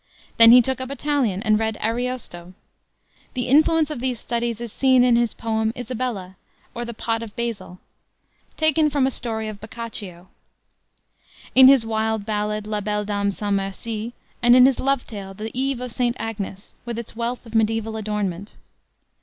Then he took up Italian and read Ariosto. The influence of these studies is seen in his poem, Isabella, or the Pot of Basil, taken from a story of Boccaccio; in his wild ballad, La Belle Dame sans Merci; and in his love tale, the Eve of Saint Agnes, with its wealth of medieval adornment.